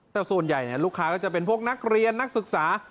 แต่ส่วนใหญ่ลูกค้าก็จะเป็นพวกนักเรียนนักศึกษา